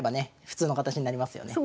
普通の形になりますよね。